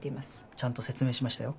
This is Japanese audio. ちゃんと説明しましたよ。